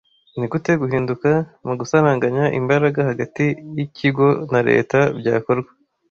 Nigute Guhinduka mugusaranganya imbaraga hagati yikigo na leta byakorwa